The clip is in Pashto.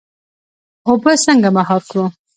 اوبه څنګه مهار کړو؟